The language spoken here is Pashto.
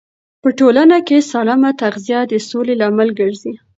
په ټولنه کې سالمه تغذیه د سولې لامل ګرځي.